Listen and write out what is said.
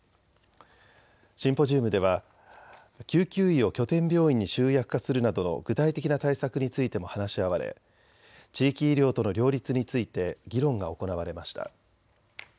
シンポジウムでは、救急医を拠点病院に集約化するなどの具体的な対策についても話し合われ地域医療との両立について議論が行われました。